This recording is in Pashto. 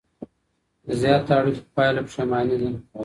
د زياتو اړيکو پايله پښيماني ده.